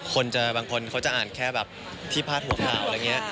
คนจะบางคนเขาจะอ่านแค่แบบที่พาดหัวข่าวอะไรอย่างนี้